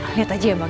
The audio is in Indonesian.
lihat aja ya bang